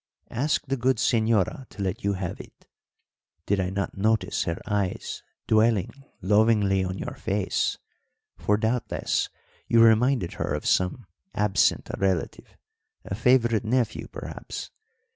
"Ask the good señora to let you have it. Did I not notice her eyes dwelling lovingly on your face for, doubtless, you reminded her of some absent relative, a favourite nephew, perhaps.